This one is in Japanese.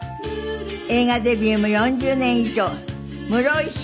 映画デビューも４０年以上室井滋さんです。